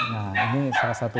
nah ini salah satu